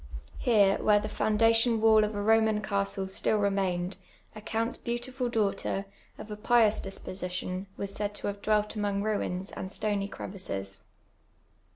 Here, where tlic foundation wall of a Koman castle still re mained, a counts beautiful dau<jhter, of a j)ious disposition, wa.s said to have dwelt amonj:: ruins and stony crevices.